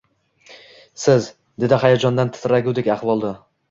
-Siz! – dedi hayajondan titragudek ahvolda.